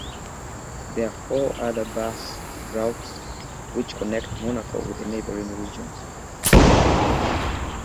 There are four other bus routes which connect Monaco with neighbouring regions.